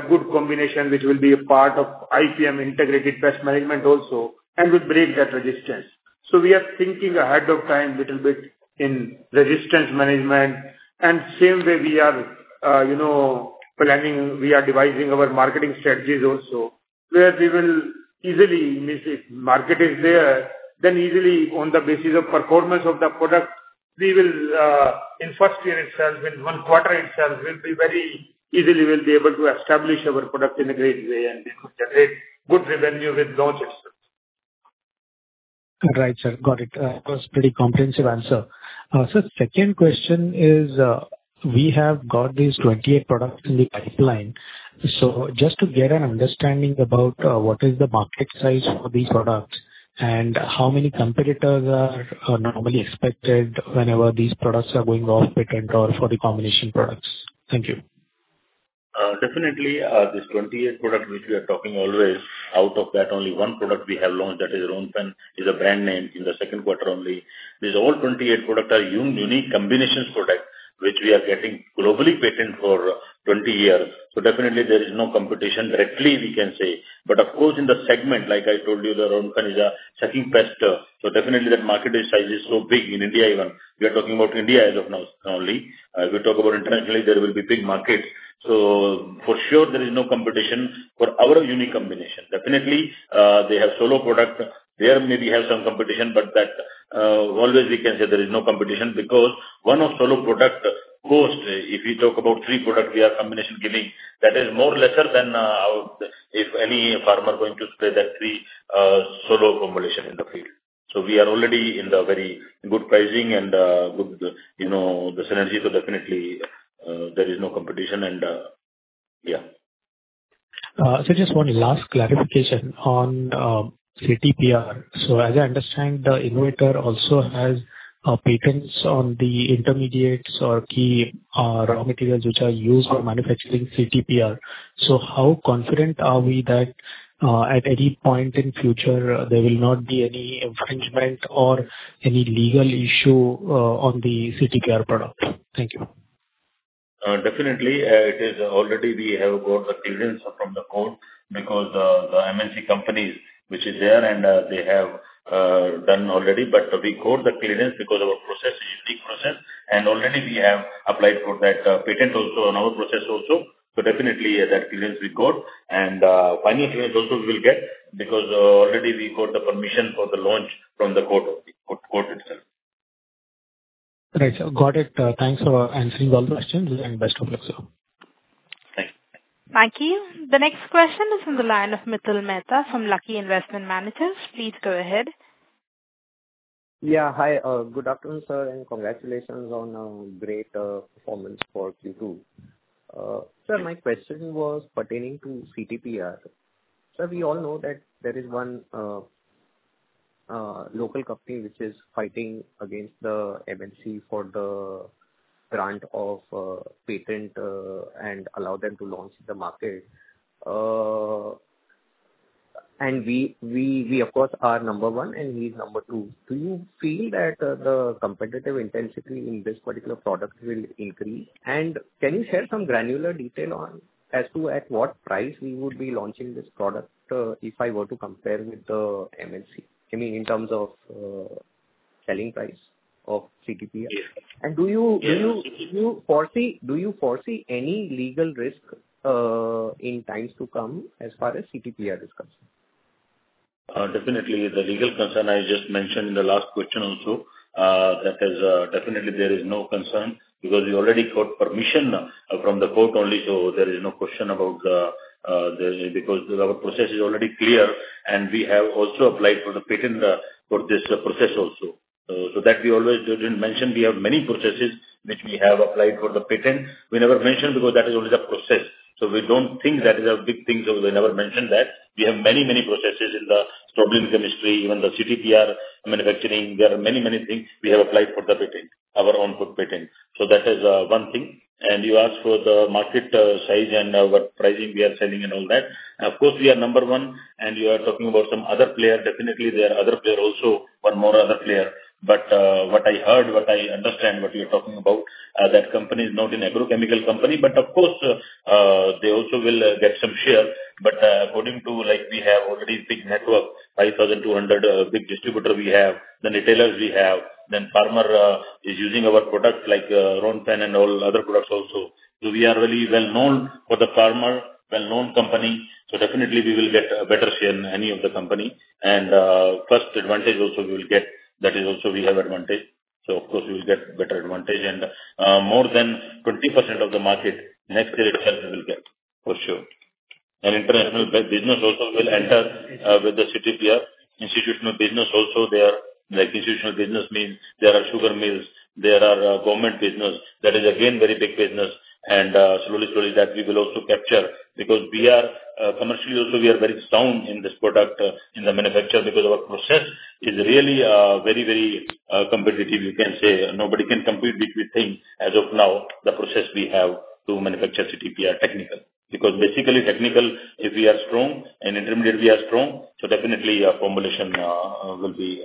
good combination which will be a part of IPM integrated pest management also and will break that resistance. We are thinking ahead of time little bit in resistance management. Same way we are you know planning, we are devising our marketing strategies also. We will easily mean if market is there, then easily, on the basis of performance of the product, we will in first year itself, in one quarter itself, we'll be very easily able to establish our product in a great way, and we could generate good revenue with launch itself. Right, sir. Got it. It was pretty comprehensive answer. Sir, second question is, we have got these 28 products in the pipeline. Just to get an understanding about what is the market size for these products and how many competitors are normally expected whenever these products are going off patent or for the combination products. Thank you. Definitely, this 28 products which we are talking always, out of that only one product we have launched, that is Ronfen, is a brand name in the second quarter only. These all 28 products are unique combinations product, which we are getting globally patent for 20 years. Definitely there is no competition directly we can say. Of course in the segment, like I told you, the Ronfen is a sucking pest. Definitely that market size is so big in India even. We are talking about India as of now only. As we talk about internationally, there will be big markets. For sure there is no competition for our unique combination. Definitely, they have solo product. There may be some competition, but that always we can say there is no competition because one solo product, of course, if we talk about three products we are combination giving, that is more lesser than if any farmer going to spray that three solo combination in the field. We are already in the very good pricing and good, you know, the synergy. Definitely there is no competition and yeah. Sir, just one last clarification on CTPR. As I understand, the innovator also has patents on the intermediates or key raw materials which are used for manufacturing CTPR. How confident are we that at any point in future there will not be any infringement or any legal issue on the CTPR product? Thank you. Definitely, it is already we have got the clearance from the court because the MNC companies which is there and they have done already. We got the clearance because our process is unique process. Already we have applied for that patent also on our process also. Definitely that clearance we got. Final clearance also we will get because already we got the permission for the launch from the court only, court itself. Right, sir. Got it. Thanks for answering all the questions and best of luck, sir. Thanks. Thank you. The next question is from the line of Mitul Mehta from Lucky Investment Managers. Please go ahead. Yeah. Hi. Good afternoon, sir, and congratulations on great performance for Q2. Sir, my question was pertaining to CTPR. Sir, we all know that there is one local company which is fighting against the MNC for the grant of patent and allow them to launch in the market. We of course are number one and he's number two. Do you feel that the competitive intensity in this particular product will increase? Can you share some granular detail on as to at what price we would be launching this product if I were to compare with the MNC? I mean, in terms of selling price of CTPR. And do you, do you foresee any legal risk in times to come as far as CTPR is concerned? Definitely. The legal concern I just mentioned in the last question also. That is, definitely there is no concern because we already got permission from the court only. There is no question about there is because our process is already clear. We have also applied for the patent for this process also. That we always didn't mention. We have many processes which we have applied for the patent. We never mentioned because that is always a process. We don't think that is a big thing, so we never mentioned that. We have many, many processes in the process chemistry, even the CTPR manufacturing. There are many, many things we have applied for the patent, our own patent. That is one thing. You asked for the market size and what pricing we are selling and all that. Of course we are number one, and you are talking about some other player. Definitely there are other player also, one more other player. What I heard, what I understand what you're talking about, that company is not an agrochemical company. Of course they also will get some share, but according to like we have already big network, 5,200 big distributor we have, the retailers we have, then farmer is using our product like Ronfen and all other products also. We are really well-known for the farmer, well-known company, so definitely we will get a better share than any other company. First advantage also we will get, that is also we have advantage. Of course we will get better advantage. More than 20% of the market next year itself we will get, for sure. International business also will enter with the CTPR. Institutional business also there. Like institutional business means there are sugar mills, there are government business. That is again very big business and slowly that we will also capture because we are commercially also we are very strong in this product, in the manufacture because our process is really very competitive you can say. Nobody can compete with we think as of now the process we have to manufacture CTPR technical. Because basically technical if we are strong and intermediate we are strong, so definitely our formulation will be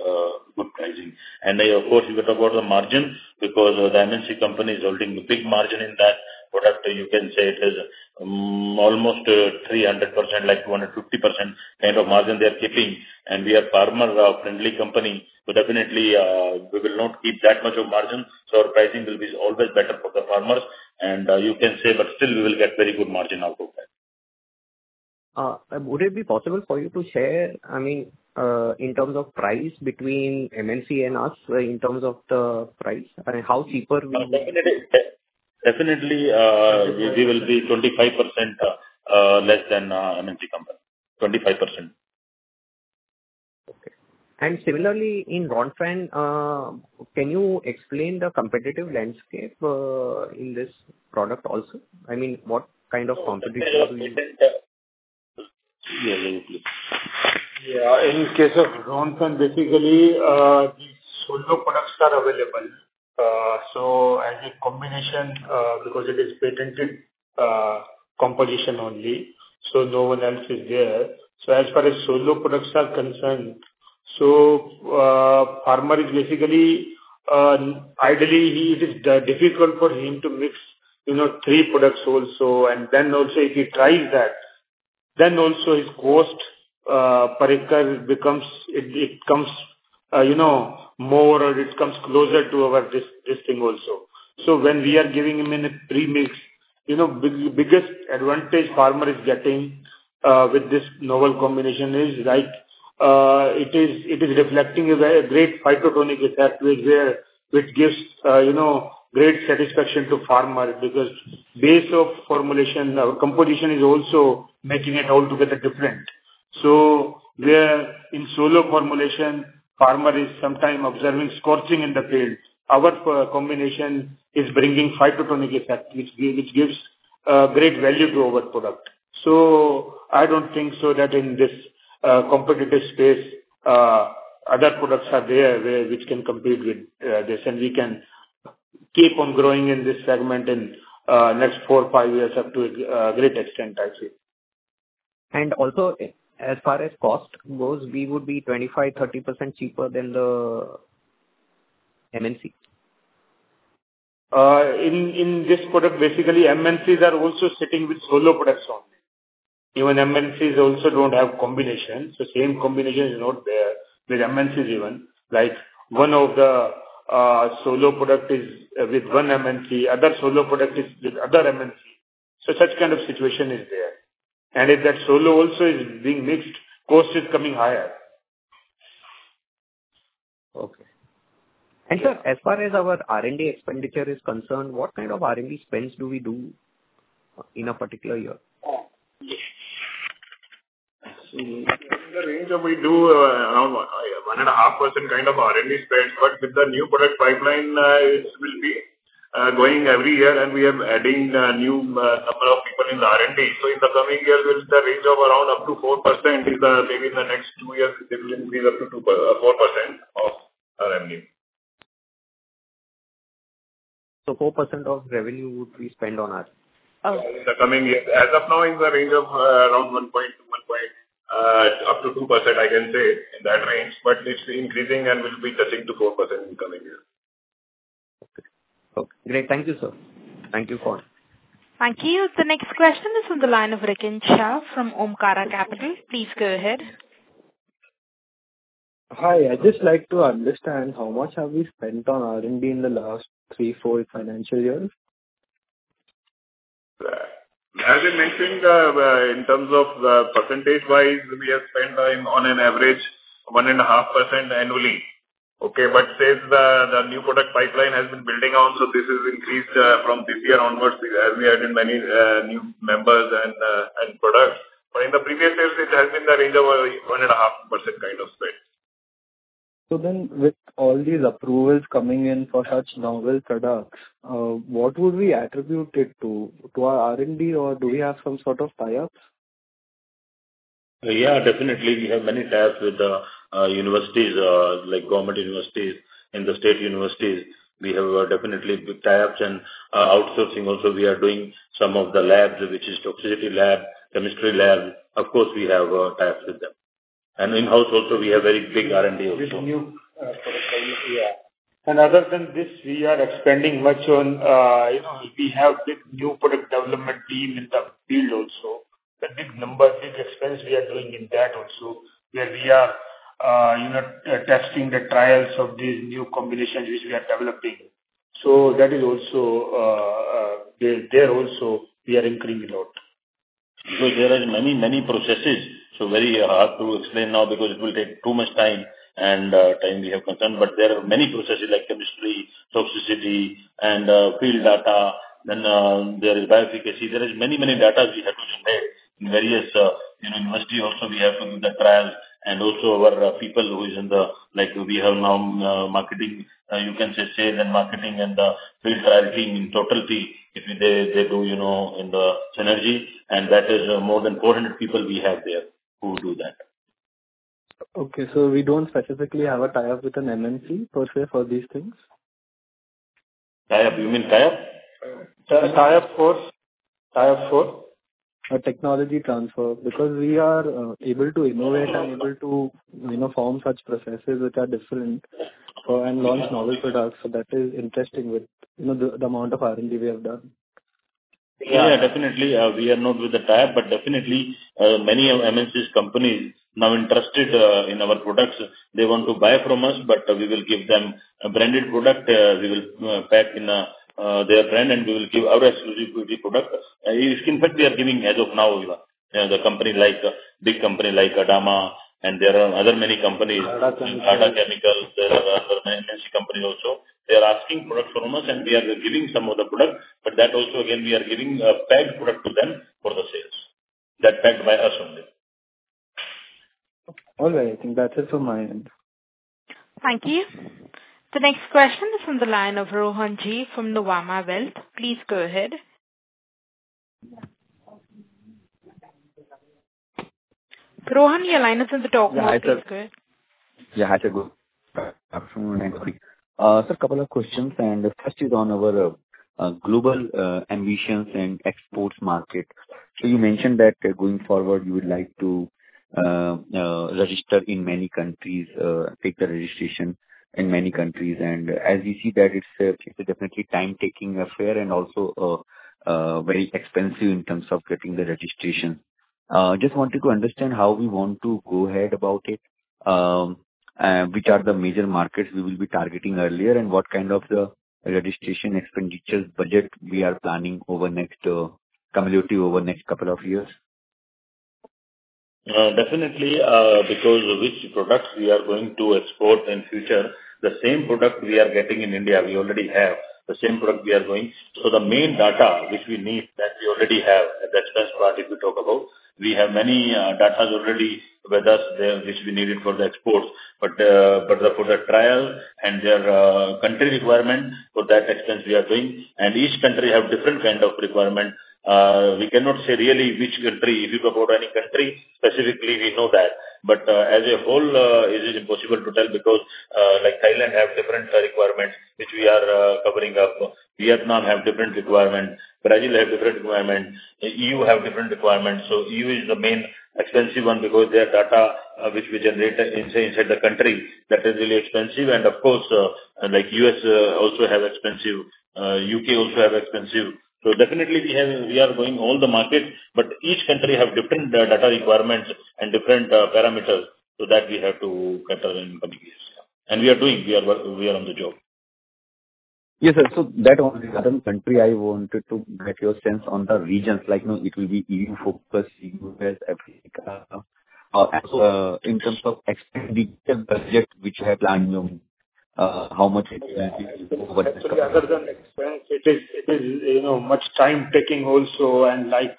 good pricing. Of course if you talk about the margins, because MNC company is holding big margin in that product, you can say it is almost 300%, like 250% kind of margin they are keeping, and we are farmer friendly company, so definitely we will not keep that much of margin. Our pricing will be always better for the farmers and you can say but still we will get very good margin out of that. Would it be possible for you to share, I mean, in terms of price between MNC and us, in terms of the price? I mean, how cheaper we will be? Definitely. Definitely, we will be 25% less than MNC company, 25%. Okay. Similarly in Ronfen, can you explain the competitive landscape in this product also? I mean, what kind of competition do we have? Yeah. In case of Ronfen, basically, the solo products are available. As a combination, because it is patented composition only, so no one else is there. As far as solo products are concerned, so difficult for him to mix, you know, three products also. If he tries that, then also his cost per hectare becomes more, you know, or it comes closer to our this thing also. When we are giving him in a premix, you know, biggest advantage farmer is getting with this novel combination is like, it is reflecting a very great phytotonic effect is there which gives, you know, great satisfaction to farmer because base of formulation, our composition is also making it altogether different. Where in solo formulation farmer is sometimes observing scorching in the field, our combination is bringing phytotonic effect which gives great value to our product. I don't think so that in this competitive space other products are there which can compete with this. We can keep on growing in this segment in next four, five years up to a great extent, I'll say. Also, as far as cost goes, we would be 25%-30% cheaper than the MNC? In this product, basically MNCs are also sitting with solo products only. Even MNCs also don't have combination. Same combination is not there with MNCs even. Like, one of the solo product is with one MNC, other solo product is with other MNC. Such kind of situation is there. If that solo also is being mixed, cost is coming higher. Okay. Sir, as far as our R&D expenditure is concerned, what kind of R&D spends do we do in a particular year? In the range of we do around 1.5% kind of R&D spends, but with the new product pipeline will be growing every year and we are adding new number of people in the R&D. In the coming years it's the range of around up to 4% maybe in the next 2 years it will increase up to 4% of our revenue. 4% of revenue would we spend on R&D? In the coming years. As of now in the range of around 1.1%-2% I can say, in that range. It's increasing and will be touching to 4% in coming year. Okay. Great. Thank you, sir. Thank you for. Thank you. The next question is on the line of Rikin Shah from Omkara Capital. Please go ahead. Hi. I'd just like to understand how much have we spent on R&D in the last 3, 4 financial years? As I mentioned, in terms of, percentage-wise, we have spent on an average 1.5% annually. Okay? Since the new product pipeline has been building also, this has increased from this year onwards as we added many new members and products. In the previous years it has been in the range of 1.5% kind of spend. With all these approvals coming in for such novel products, what would we attribute it to? To our R&D or do we have some sort of tie-ups? Yeah, definitely we have many tie-ups with universities, like government universities and the state universities. We have definitely tie-ups and outsourcing also we are doing some of the labs, which is toxicity lab, chemistry lab. Of course we have tie-ups with them. In-house also, we have very big R&D also. This new product line, yeah. Other than this, we are expanding much on, you know, we have big new product development team in the field also. The big number, big expense we are doing in that also, where we are, you know, testing the trials of these new combinations which we are developing. So that is also, there also we are incurring a lot. Because there are many processes, so very hard to explain now because it will take too much time and, time we have concerned, but there are many processes like chemistry, toxicity and, field data. Then, there is bioefficacy. There is many data we have to spread in various, you know, university also we have to do the trial and also our people. Like we have now, marketing, you can say sales and marketing and the field trial team in totality. If they do, you know, in the synergy and that is more than 400 people we have there who do that. Okay. We don't specifically have a tie-up with an MNC per se for these things? Tie-up. You mean tie-up? Uh, tie-up or. Tie-up for? A technology transfer, because we are able to innovate and able to, you know, form such processes which are different, and launch novel products. That is interesting with, you know, the amount of R&D we have done. Yeah, definitely. We are not with the tie-up, but definitely, many MNCs companies now interested in our products. They want to buy from us, but we will give them a branded product. We will pack in their brand, and we will give our exclusivity product. In fact we are giving as of now. We have, you know, the company like big company like Adama and there are other many companies. Adama. There are other MNC company also. They are asking products from us and we are giving some of the product, but that also again, we are giving a packed product to them for the sales. That packed by us only. All right. I think that's it from my end. Thank you. The next question is from the line of Rohan Ji from Nuvama Wealth. Please go ahead. Rohan, your line is on the talk mode. Please go ahead. Yeah. Hi, Sir [Vimal]. Sir, couple of questions, and first is on our global ambitions and exports market. You mentioned that going forward you would like to register in many countries, take the registration in many countries. As you see that it's a definitely time-taking affair and also very expensive in terms of getting the registration. Just wanted to understand how we want to go ahead about it. Which are the major markets we will be targeting earlier and what kind of the registration expenditures budget we are planning over next, cumulative over next couple of years. Definitely, because which products we are going to export in future, the same product we are getting in India, we already have. The same product we are going. The main data which we need that we already have, and that's first product we talk about. We have many data's already with us there which we needed for the export. But for the trial and their country requirements, for that expense we are doing. Each country have different kind of requirement. We cannot say really which country, if you go about any country specifically, we know that. As a whole, it is impossible to tell because, like Thailand have different requirements which we are covering up. Vietnam have different requirements. Brazil have different requirements. EU have different requirements. EU is the main expensive one because their data, which we generate inside the country, that is really expensive. Of course, like U.S. also have expensive, U.K. also have expensive. Definitely we are going all the markets, but each country have different data requirements and different parameters. That we have to cater in committees. We are on the job. Yes, sir. That on the other country, I wanted to get your sense on the regions. Like, you know, it will be EU focused, U.S., Africa. In terms of expenditure budget which you have planned, how much it will be over this. Actually other than expense, it is you know much time-taking also and like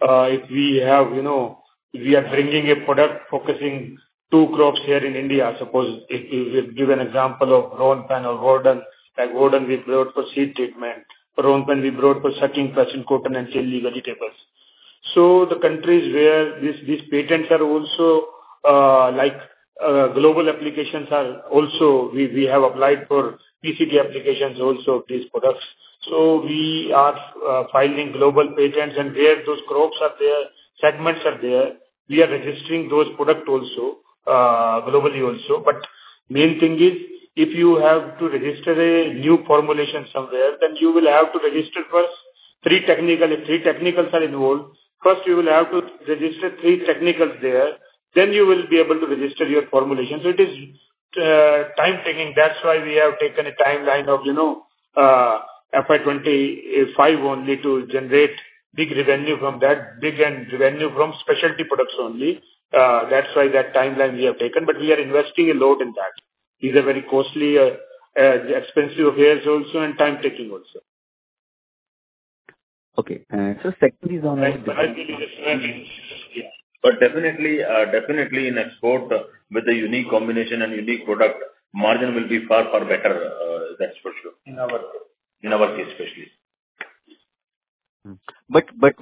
if we have you know if we are bringing a product focusing two crops here in India, suppose if we give an example of Ronfen or Warden. Like Warden we brought for seed treatment. Ronfen we brought for sucking pests in coconut and chili vegetables. The countries where these patents are also like global applications are also we have applied for PCT applications also of these products. We are filing global patents and where those crops are there, segments are there, we are registering those product also globally also. Main thing is if you have to register a new formulation somewhere, then you will have to register first three technicals are involved. First you will have to register three technicals there. You will be able to register your formulation. It is time-taking. That's why we have taken a timeline of, you know, FY 2025 only to generate big revenue from that, big revenue from specialty products only. That's why that timeline we have taken, but we are investing a lot in that. These are very costly, expensive affairs also and time-taking also. Definitely in export with a unique combination and unique product, margin will be far, far better. That's for sure. In our case especially.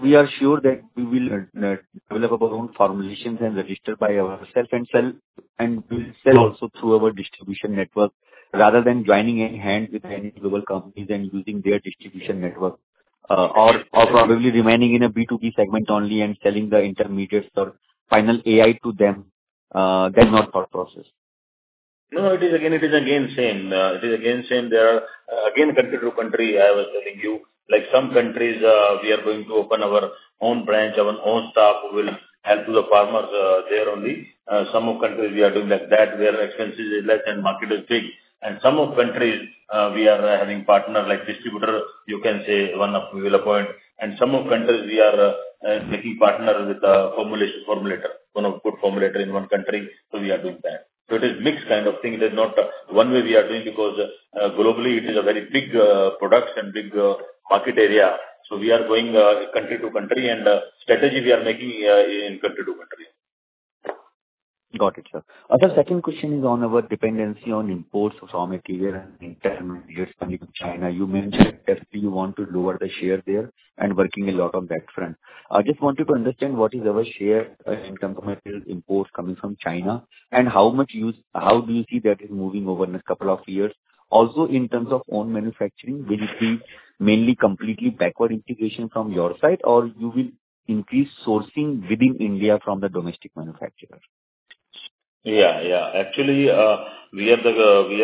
We are sure that we will develop our own formulations and register by ourselves and sell. We will sell also through our distribution network, rather than joining hands with any global companies and using their distribution network, or probably remaining in a B2B segment only and selling the intermediates or final AI to them, that's not the thought process. No, it is again same there. Again, country to country, I was telling you. Like some countries, we are going to open our own branch, our own staff who will help to the farmers, there only. Some of countries we are doing like that where expenses is less and market is big. Some of countries, we are having partner like distributor, you can say one of we will appoint. Some of countries we are making partner with a formulation formulator, one of good formulator in one country, so we are doing that. It is mixed kind of thing. There's not one way we are doing because globally it is a very big product and big market area. We are going, country to country, and strategy we are making, in country to country. Got it, sir. Our second question is on our dependency on imports of raw material and intermediates coming from China. You mentioned that you want to lower the share there and are working a lot on that front. I just want to understand what is our share in terms of material imports coming from China and how do you see that moving over the next couple of years. Also in terms of own manufacturing, will it be mainly completely backward integration from your side or you will increase sourcing within India from the domestic manufacturer? Yeah, yeah. Actually, we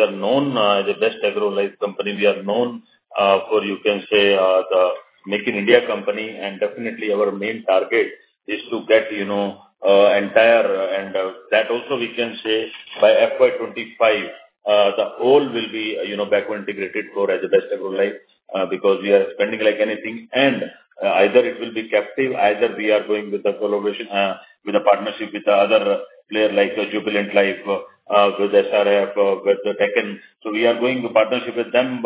are known for you can say the Make in India company and definitely our main target is to get, you know, entire and that also we can say by FY 2025 the whole will be, you know, backward integrated for as a Best Agrolife because we are spending like anything and either it will be captive, either we are going with the collaboration with the partnership with the other player like Jubilant Life Sciences with SRF with Tecnimont. We are going to partnership with them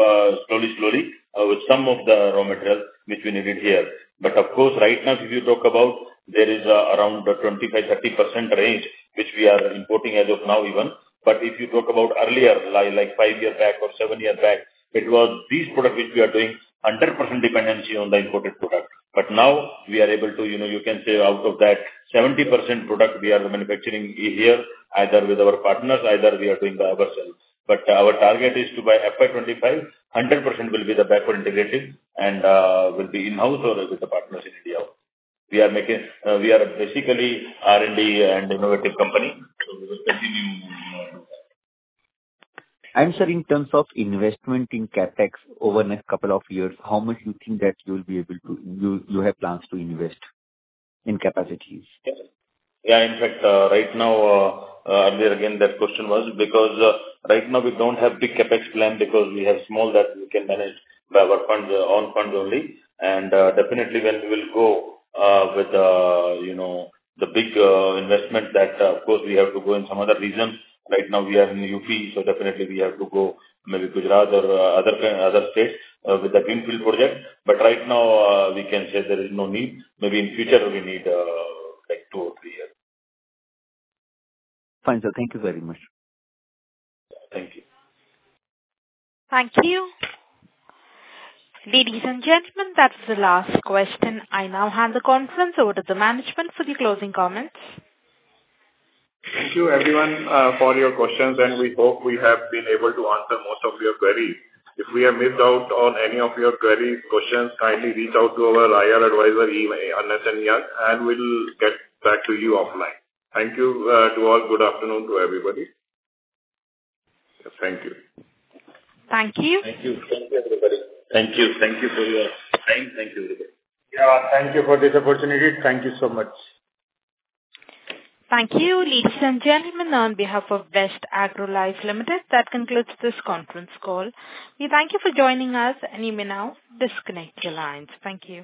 slowly with some of the raw material which we needed here. Of course right now if you talk about there is around 25%-30% range which we are importing as of now even. If you talk about earlier, like five year back or seven year back, it was these products which we are doing 100% dependency on the imported product. Now we are able to, you know, you can say out of that 70% product we are manufacturing here either with our partners, either we are doing by ourselves. Our target is to by FY 2025, 100% will be the backward integrated and, will be in-house or with the partners in India. We are making. We are basically R&D and innovative company, so we will continue to do that. Sir, in terms of investment in CapEx over next couple of years, how much you think that you'll be able to? You have plans to invest in capacities? Yeah. In fact, right now, there again that question was because right now we don't have big CapEx plan because we have small that we can manage by our own funds only. Definitely when we will go with you know the big investment that of course we have to go in some other regions. Right now we are in UP, so definitely we have to go maybe Gujarat or other states with the greenfield project. Right now we can say there is no need. Maybe in future we need like 2 or 3 years. Fine, sir. Thank you very much. Thank you. Thank you. Ladies and gentlemen, that's the last question. I now hand the conference over to the management for the closing comments. Thank you everyone, for your questions, and we hope we have been able to answer most of your query. If we have missed out on any of your questions, kindly reach out to our IR advisor, email, Ernst & Young, and we'll get back to you offline. Thank you, to all. Good afternoon to everybody. Thank you. Thank you. Thank you. Thank you for your time. Thank you. Yeah. Thank you for this opportunity. Thank you so much. Thank you. Ladies and gentlemen, on behalf of Best Agrolife Limited, that concludes this conference call. We thank you for joining us, and you may now disconnect your lines. Thank you.